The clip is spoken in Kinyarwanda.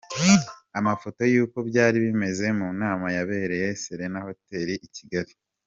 Amafoto yuko byari bimeze mu nama yabereye Serena Hotel i Kigali.